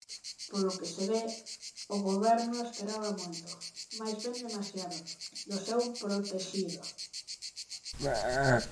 Polo que se ve, o Goberno esperaba moito, máis ben demasiado, do seu protexido.